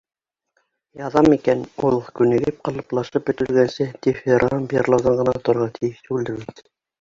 Яҙам икән, ул, күнегеп, ҡалыплашып бөтөлгәнсә, дифирамб йырлауҙан ғына торорға тейеш түгелдер бит.